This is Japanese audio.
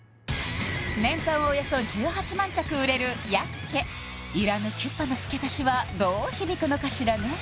年間およそ１８万着売れるヤッケいらぬキュッパの付け足しはどう響くのかしらね